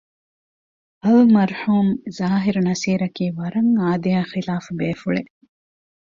އަލްމަރްޙޫމް ޒާހިރު ނަޞީރަކީ ވަރަށް އާދަޔާ ޚިލާފު ބޭފުޅެއް